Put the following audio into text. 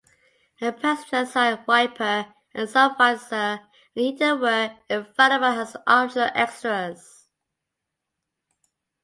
A passenger-side wiper and sun visor, and a heater were available as optional extras.